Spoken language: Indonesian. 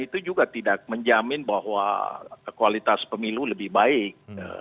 itu juga tidak menjamin bahwa kualitas pemilu lebih baik